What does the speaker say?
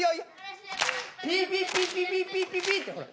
ピッピッピッピピッピッピピってほら。